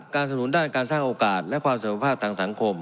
สนุนด้านการสร้างโอกาสและความเสมอภาคทางสังคม